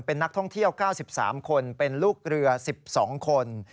เป็นนักท่องเที่ยว๙๓คนเป็นลูกเรือ๑๒คน